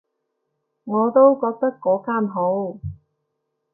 我都覺得嗰間好